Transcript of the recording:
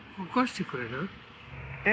えっ？